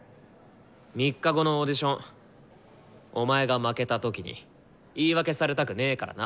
３日後のオーディションお前が負けた時に言い訳されたくねからな。